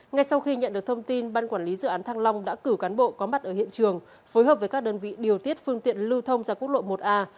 ngay sau khi nhận được thông tin ban quản lý dự án thăng long đã cử cán bộ có mặt ở hiện trường phối hợp với các đơn vị điều tiết phương tiện lưu thông ra quốc lộ một a